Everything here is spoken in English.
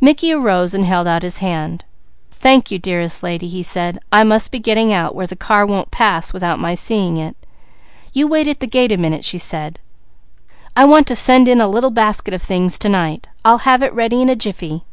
Mickey arose, holding out his hand. "Thank you dearest lady," he said. "I must be getting out where the car won't pass without my seeing it." "You wait at the gate a minute," she said, "I want to send in a little basket of things to night. I'll have it ready in a jiffy."